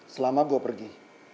selama gue pergi